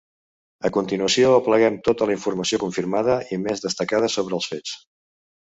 A continuació apleguem tota la informació confirmada i més destacada sobre els fets.